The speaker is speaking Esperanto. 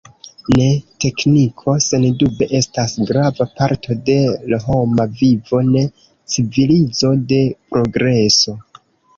Ne, tekniko sendube estas grava parto de l’ homa vivo, de civilizo, de progreso.